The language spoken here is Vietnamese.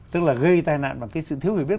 tức là gây tai nạn bằng cái sự thiếu người biết